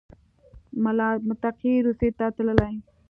ملا متقي روسیې ته تللی